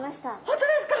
本当ですか？